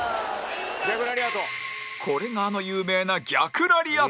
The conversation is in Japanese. これがあの有名な逆ラリアット